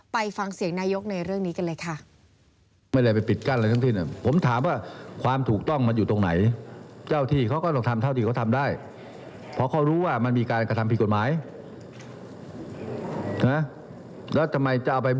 ไปฟังเสียงนายกในเรื่องนี้กันเลยค่ะ